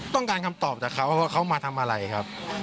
ต้องการคำตอบจากเขาว่าเขามาทำอะไรครับ